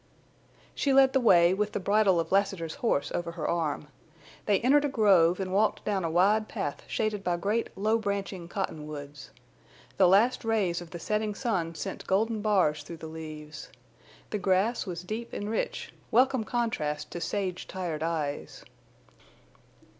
She led the way, with the bridle of Lassiter's horse over her arm. They entered a grove and walked down a wide path shaded by great low branching cottonwoods. The last rays of the setting sun sent golden bars through the leaves. The grass was deep and rich, welcome contrast to sage tired eyes.